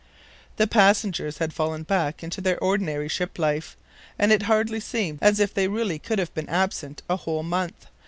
The passengers had fallen back into their ordinary ship life, and it hardly seemed as if they really could have been absent a whole month.